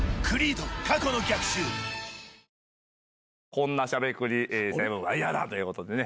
こんな『しゃべくり００７』は嫌だということでね。